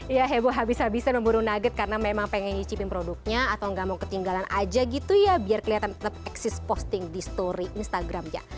ya heboh habis habisan memburu nugget karena memang pengen nyicipin produknya atau nggak mau ketinggalan aja gitu ya biar kelihatan tetap eksis posting di story instagramnya